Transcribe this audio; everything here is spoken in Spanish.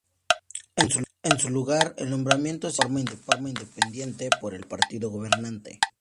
En su lugar, el nombramiento se hace de forma independiente por el partido gobernante.